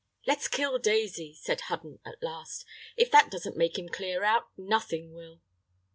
"Let's kill Daisy," said Hudden at last; "if that doesn't make him clear out, nothing will."